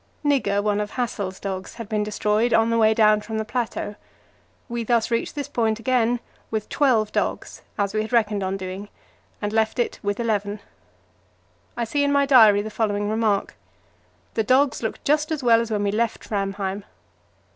Nigger, one of Hassel's dogs, had been destroyed on the way down from the plateau. We thus reached this point again with twelve dogs, as we had reckoned on doing, and left it with eleven. I see in my diary the following remark: "The dogs look just as well as when we left Framheim."